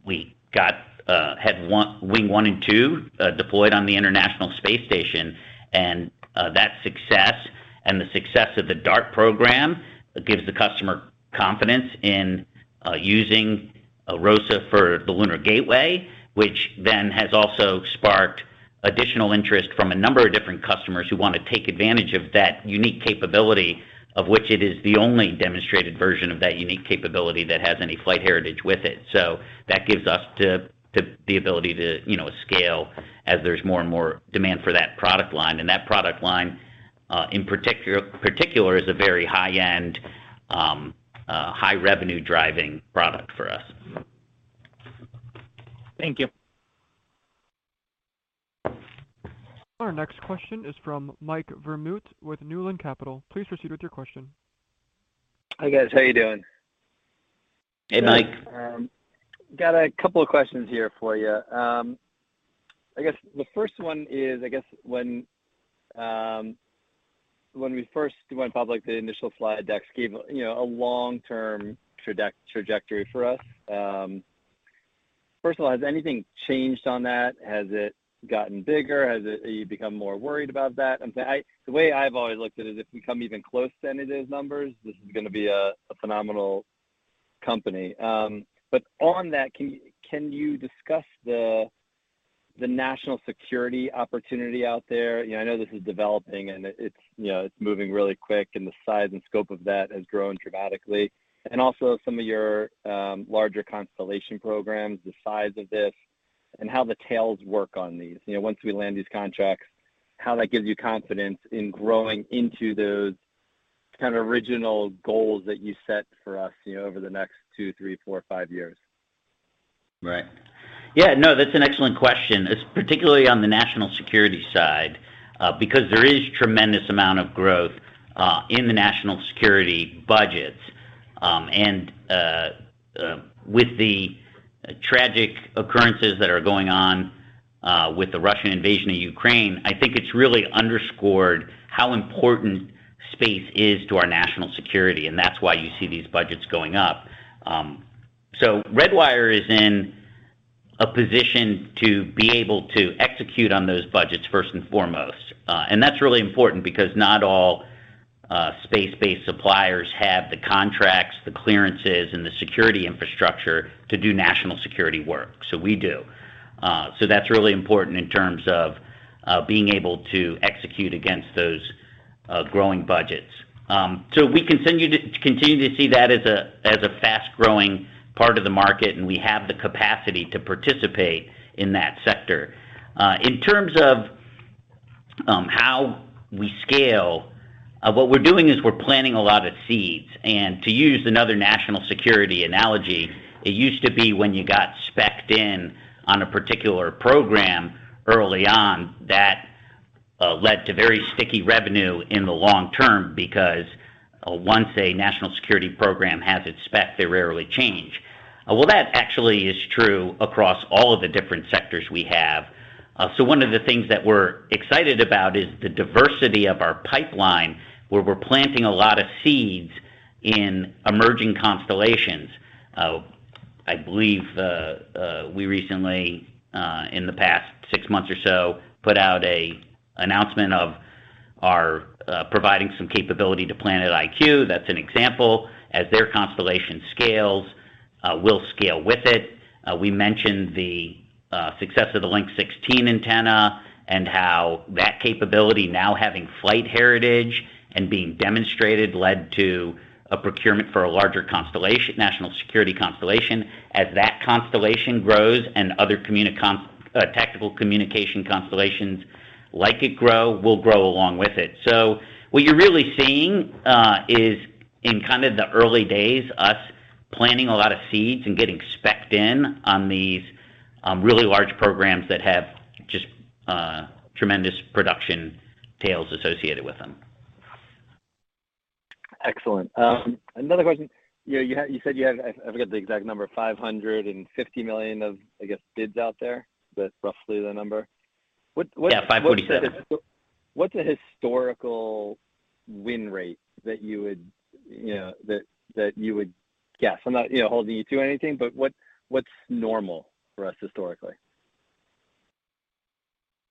We had wing one and two deployed on the International Space Station. That success and the success of the DART program gives the customer confidence in using ROSA for the Lunar Gateway, which then has also sparked additional interest from a number of different customers who wanna take advantage of that unique capability, of which it is the only demonstrated version of that unique capability that has any flight heritage with it. That gives us the ability to, you know, scale as there's more and more demand for that product line. That product line, in particular, is a very high-end, high revenue-driving product for us. Thank you. Our next question is from Mike Vermut with Newland Capital. Please proceed with your question. Hi, guys. How are you doing? Hey, Mike. Got a couple of questions here for you. I guess the first one is, I guess when we first went public, the initial slide deck gave, you know, a long-term trajectory for us. First of all, has anything changed on that? Has it gotten bigger? Have you become more worried about that? The way I've always looked at it is if we come even close to any of those numbers, this is gonna be a phenomenal company. But on that, can you discuss the national security opportunity out there? You know, I know this is developing and it's, you know, it's moving really quick, and the size and scope of that has grown dramatically. Also some of your larger constellation programs, the size of this, and how the tails work on these? You know, once we land these contracts, how that gives you confidence in growing into those kind of original goals that you set for us, you know, over the next two, three, four, five years? Right. Yeah, no, that's an excellent question. It's particularly on the national security side, because there is tremendous amount of growth in the national security budgets. With the tragic occurrences that are going on with the Russian invasion of Ukraine, I think it's really underscored how important space is to our national security, and that's why you see these budgets going up. Redwire is in a position to be able to execute on those budgets first and foremost. That's really important because not all space-based suppliers have the contracts, the clearances, and the security infrastructure to do national security work. We do. That's really important in terms of being able to execute against those growing budgets. We continue to see that as a fast-growing part of the market, and we have the capacity to participate in that sector. In terms of how we scale, what we're doing is we're planting a lot of seeds. To use another national security analogy, it used to be when you got spec'd in on a particular program early on, that led to very sticky revenue in the long term, because once a national security program has its spec, they rarely change. Well, that actually is true across all of the different sectors we have. One of the things that we're excited about is the diversity of our pipeline, where we're planting a lot of seeds in emerging constellations. I believe we recently in the past six months or so put out an announcement of our providing some capability to PlanetiQ. That's an example. As their constellation scales, we'll scale with it. We mentioned the success of the Link-16 antenna and how that capability now having flight heritage and being demonstrated led to a procurement for a larger constellation, national security constellation. As that constellation grows and other tactical communication constellations like it grow, we'll grow along with it. What you're really seeing is in kind of the early days us planting a lot of seeds and getting spec'd in on these really large programs that have just tremendous production tails associated with them. Excellent. Another question. You said you had, I forget the exact number, $550 million of, I guess, bids out there. That's roughly the number. What- Yeah, $547 million. What's the historical win rate that you would, you know, guess? I'm not, you know, holding you to anything, but what's normal for us historically?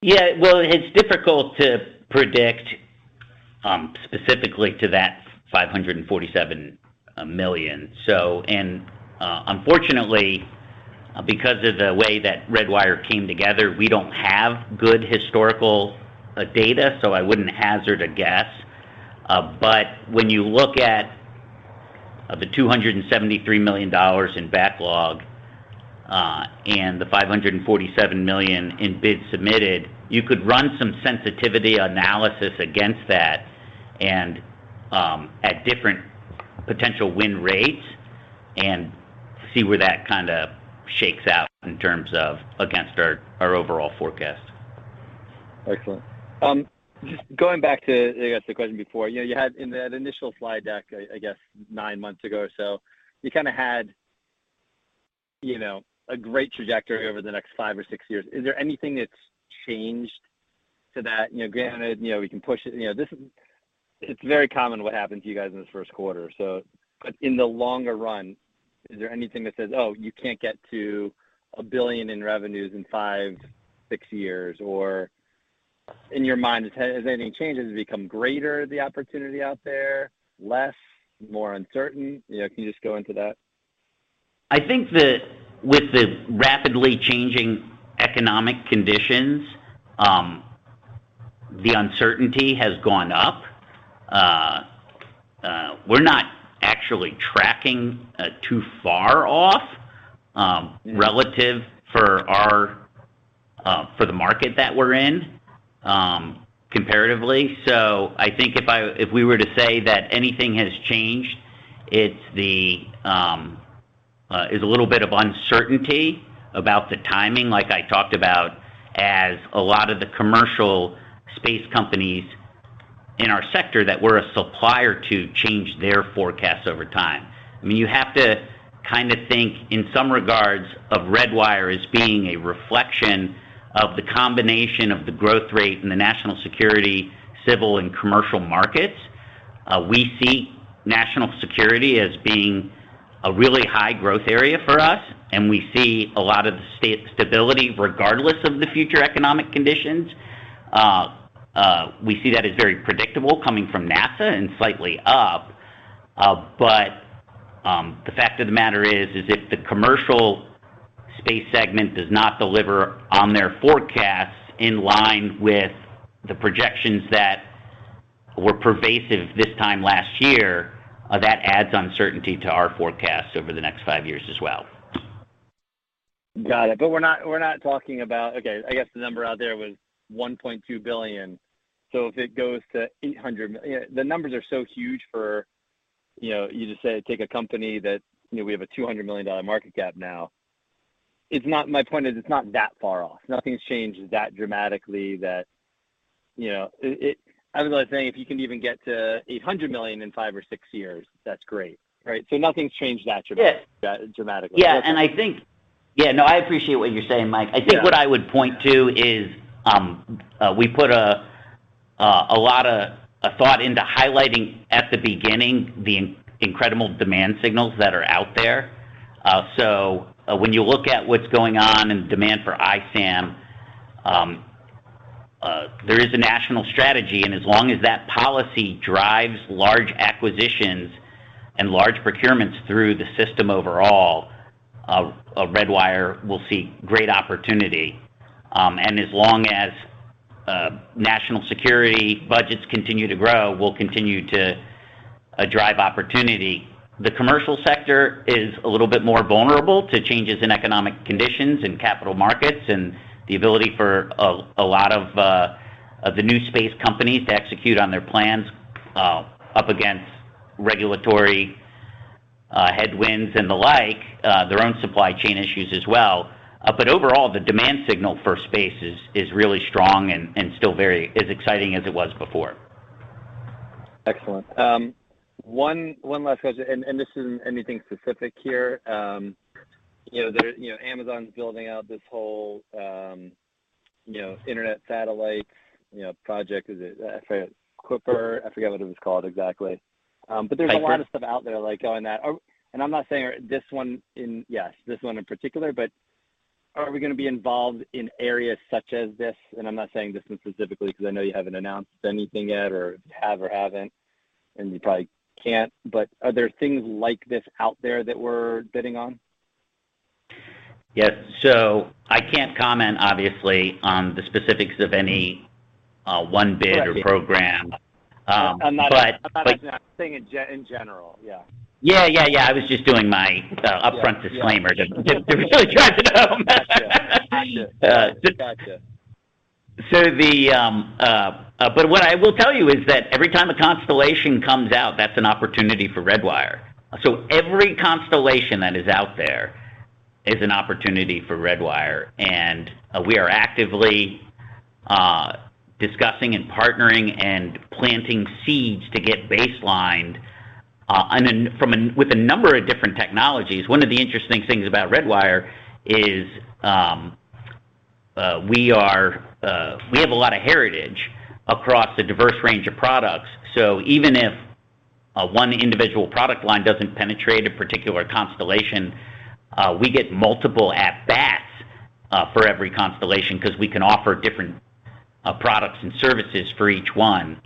Yeah, well, it's difficult to predict specifically to that $547 million. Unfortunately, because of the way that Redwire came together, we don't have good historical data, so I wouldn't hazard a guess. But when you look at of the $273 million in backlog and the $547 million in bids submitted, you could run some sensitivity analysis against that and at different potential win rates and see where that kind of shakes out in terms of against our overall forecast. Excellent. Just going back to, I guess, the question before. You know, you had in that initial slide deck, I guess nine months ago or so, you kind of had, you know, a great trajectory over the next five or six years. Is there anything that's changed to that? You know, granted, you know, we can push it. You know, this is. It's very common what happened to you guys in the first quarter or so. In the longer run, is there anything that says, "Oh, you can't get to $1 billion in revenues in five, six years?" Or in your mind, has anything changed? Has it become greater, the opportunity out there? Less? More uncertain? You know, can you just go into that? I think that with the rapidly changing economic conditions, the uncertainty has gone up. We're not actually tracking too far off relative to the market that we're in, comparatively. I think if we were to say that anything has changed, it's the it's a little bit of uncertainty about the timing, like I talked about as a lot of the commercial space companies in our sector that we're a supplier to change their forecasts over time. I mean, you have to kind of think in some regards of Redwire as being a reflection of the combination of the growth rate in the national security, civil, and commercial markets. We see national security as being a really high growth area for us, and we see a lot of the steady stability regardless of the future economic conditions. We see that as very predictable coming from NASA and slightly up. The fact of the matter is, if the commercial space segment does not deliver on their forecasts in line with the projections that were pervasive this time last year, that adds uncertainty to our forecast over the next five years as well. Got it. We're not talking about. Okay, I guess the number out there was $1.2 billion. If it goes to $800 million. You know, the numbers are so huge for, you know, you just say take a company that, you know, we have a $200 million market cap now. It's not. My point is, it's not that far off. Nothing's changed that dramatically that, you know, it. I was really saying, if you can even get to $800 million in five or six years, that's great, right? Nothing's changed that dramatically. I appreciate what you're saying, Mike. Yeah. I think what I would point to is, we put a lot of thought into highlighting at the beginning the incredible demand signals that are out there. When you look at what's going on in demand for ISAM, there is a national strategy. As long as that policy drives large acquisitions and large procurements through the system overall of Redwire, we'll see great opportunity. As long as national security budgets continue to grow, we'll continue to drive opportunity. The commercial sector is a little bit more vulnerable to changes in economic conditions and capital markets and the ability for a lot of the new space companies to execute on their plans, up against regulatory headwinds and the like, their own supply chain issues as well. Overall, the demand signal for space is really strong and still very as exciting as it was before. Excellent. One last question, and this isn't anything specific here. You know, there, you know, Amazon's building out this whole, you know, internet satellite, you know, project. Is it? I forget, Kuiper. I forget what it was called exactly. Thank you. There's a lot of stuff out there like on that. I'm not saying this one in particular, but are we gonna be involved in areas such as this? I'm not saying this one specifically because I know you haven't announced anything yet, or if you have or haven't, and you probably can't. Are there things like this out there that we're bidding on? Yes. I can't comment obviously on the specifics of any one bid or program. Right. Yeah. Um, but- I'm not asking that. Saying in general. Yeah. Yeah, yeah. I was just doing my Yeah, yeah. Upfront disclaimer to really. Got you. What I will tell you is that every time a constellation comes out, that's an opportunity for Redwire. Every constellation that is out there is an opportunity for Redwire, and we are actively discussing and partnering and planting seeds to get baselined, and then with a number of different technologies. One of the interesting things about Redwire is, we have a lot of heritage across a diverse range of products. Even if one individual product line doesn't penetrate a particular constellation, we get multiple at bats for every constellation because we can offer different products and services for each one.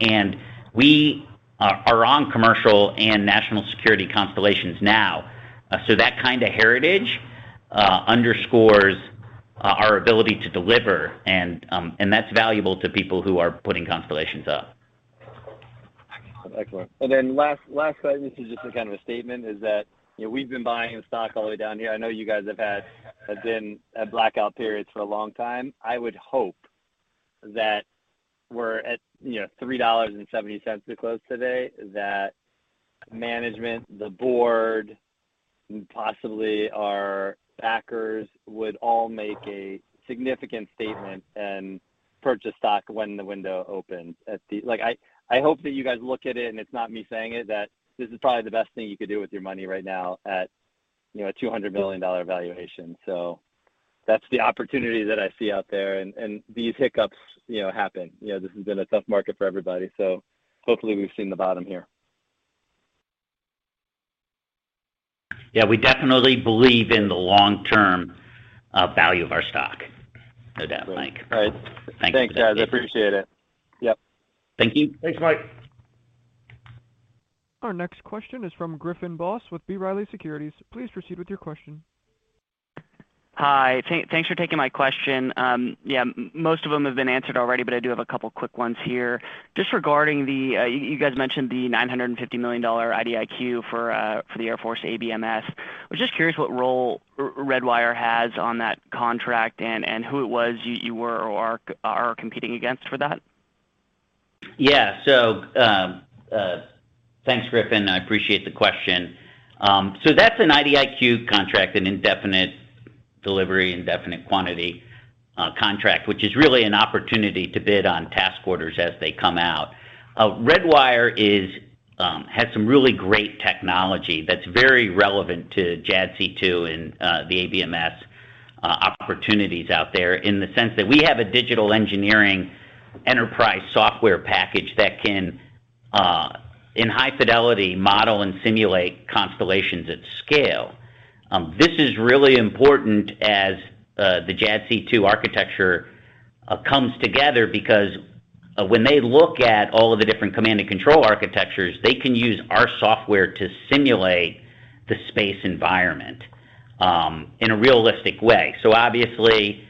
We are on commercial and national security constellations now. That kind of heritage underscores our ability to deliver, and that's valuable to people who are putting constellations up. Excellent. Last question, this is just a kind of a statement, is that, you know, we've been buying stock all the way down here. I know you guys have had blackout periods for a long time. I would hope that we're at, you know, $3.70 to close today, that management, the board, and possibly our backers would all make a significant statement and purchase stock when the window opens. Like, I hope that you guys look at it, and it's not me saying it, that this is probably the best thing you could do with your money right now at, you know, a $200 million valuation. That's the opportunity that I see out there. These hiccups, you know, happen. You know, this has been a tough market for everybody, so hopefully we've seen the bottom here. Yeah. We definitely believe in the long-term value of our stock. No doubt, Mike. Great. Thank you. Thanks, guys. I appreciate it. Yep. Thank you. Thanks, Mike. Our next question is from Griffin Boss with B. Riley Securities. Please proceed with your question. Hi. Thanks for taking my question. Yeah, most of them have been answered already, but I do have a couple quick ones here. Just regarding the $950 million IDIQ for the Air Force ABMS you guys mentioned. I was just curious what role Redwire has on that contract and who it was you were or are competing against for that? Yeah. Thanks, Griffin. I appreciate the question. That's an IDIQ contract, an indefinite delivery, indefinite quantity contract, which is really an opportunity to bid on task orders as they come out. Redwire has some really great technology that's very relevant to JADC2 and the ABMS opportunities out there in the sense that we have a digital engineering enterprise software package that can in high fidelity model and simulate constellations at scale. This is really important as the JADC2 architecture comes together because when they look at all of the different command and control architectures, they can use our software to simulate the space environment in a realistic way. Obviously,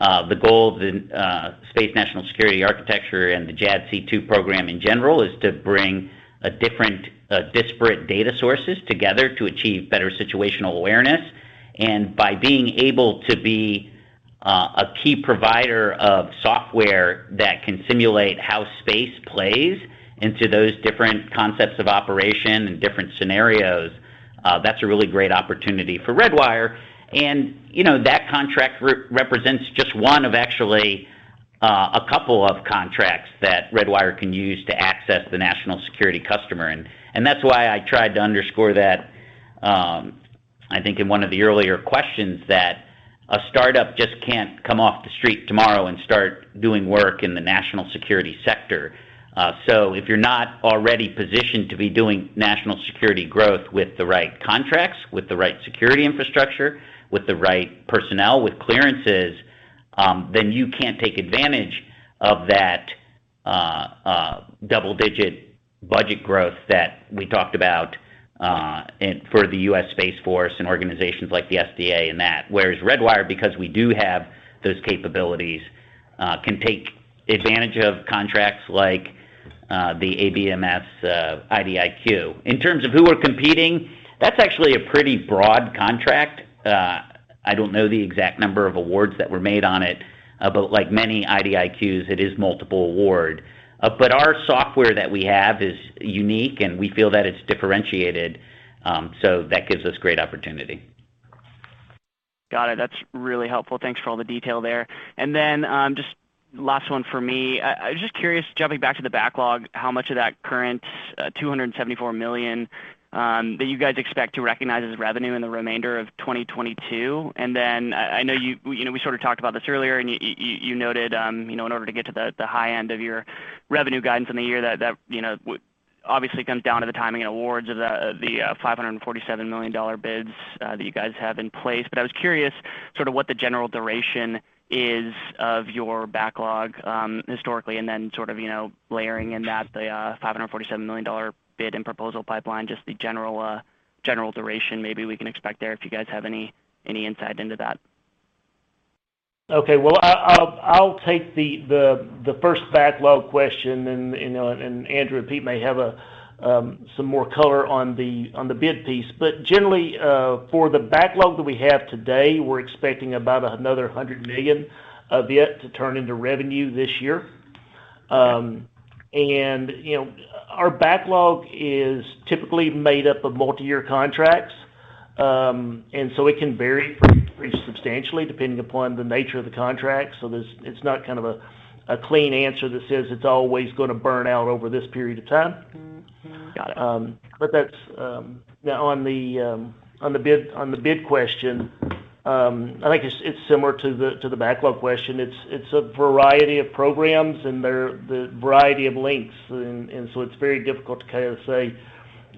the goal of the Space National Security Architecture and the JADC2 program in general is to bring different disparate data sources together to achieve better situational awareness. By being able to be a key provider of software that can simulate how space plays into those different concepts of operation and different scenarios, that's a really great opportunity for Redwire. You know, that contract represents just one of actually a couple of contracts that Redwire can use to access the national security customer. That's why I tried to underscore that, I think in one of the earlier questions that a startup just can't come off the street tomorrow and start doing work in the national security sector. If you're not already positioned to be doing national security growth with the right contracts, with the right security infrastructure, with the right personnel, with clearances, then you can't take advantage of that double-digit budget growth that we talked about for the U.S. Space Force and organizations like the SDA and that. Whereas Redwire, because we do have those capabilities, can take advantage of contracts like the ABMS IDIQ. In terms of who we're competing, that's actually a pretty broad contract. I don't know the exact number of awards that were made on it, but like many IDIQs, it is multiple award. But our software that we have is unique, and we feel that it's differentiated, so that gives us great opportunity. Got it. That's really helpful. Thanks for all the detail there. Then, just last one for me. I was just curious, jumping back to the backlog, how much of that current $274 million that you guys expect to recognize as revenue in the remainder of 2022? Then I know you know we sort of talked about this earlier, and you noted you know in order to get to the high end of your revenue guidance in the year that you know obviously comes down to the timing and awards of the $547 million dollar bids that you guys have in place. I was curious sort of what the general duration is of your backlog, historically and then sort of, you know, layering in that the $547 million bid and proposal pipeline, just the general duration maybe we can expect there if you guys have any insight into that? Okay. Well, I'll take the first backlog question and Andrew and Peter may have some more color on the bid piece. Generally, for the backlog that we have today, we're expecting about another $100 million of it to turn into revenue this year. You know, our backlog is typically made up of multiyear contracts. It can vary pretty substantially depending upon the nature of the contract. There's not kind of a clean answer that says it's always gonna burn out over this period of time. Mm-hmm. Got it. That's. Now on the bid question, I think it's similar to the backlog question. It's a variety of programs, and they're the variety of lengths. So it's very difficult to kind of say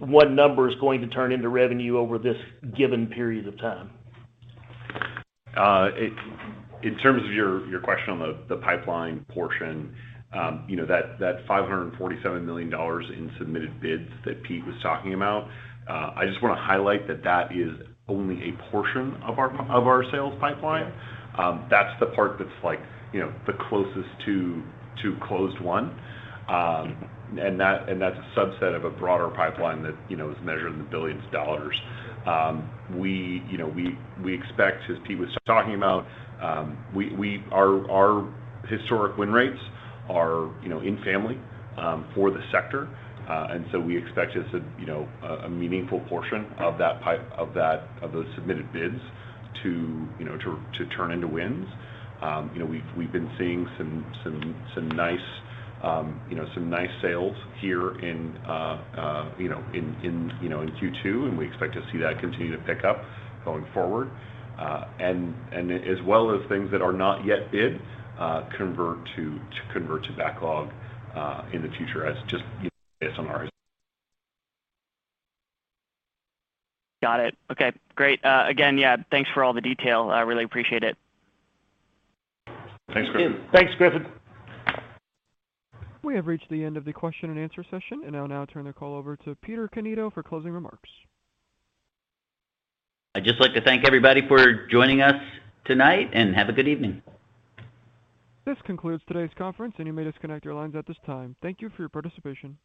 what number is going to turn into revenue over this given period of time. In terms of your question on the pipeline portion, you know, that $547 million in submitted bids that Peter was talking about, I just wanna highlight that is only a portion of our sales pipeline. Yeah. That's the part that's like, you know, the closest to closure. That's a subset of a broader pipeline that, you know, is measured in the billions dollars. We expect, as Peter was talking about, our historic win rates are, you know, in the family for the sector. We expect just a meaningful portion of that pipe, of those submitted bids to turn into wins. You know, we've been seeing some nice sales here in Q2, and we expect to see that continue to pick up going forward. As well as things that are not yet bid, to convert to backlog in the future as just, you know, based on our Got it. Okay. Great. Again, yeah, thanks for all the detail. I really appreciate it. Thanks, Griffin. Thanks, Griffin. We have reached the end of the question and answer session. I'll now turn the call over to Peter Cannito for closing remarks. I'd just like to thank everybody for joining us tonight, and have a good evening. This concludes today's conference, and you may disconnect your lines at this time. Thank you for your participation.